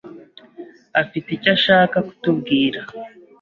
afite icyo ashaka kutubwira.